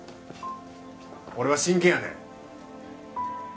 俺は真剣やで。